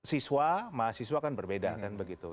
siswa mahasiswa kan berbeda kan begitu